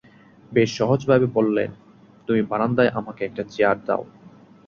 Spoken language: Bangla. বেশ সহজভাবে বললেন, তুমি বারান্দায় আমাকে একটা চেয়ার দাও।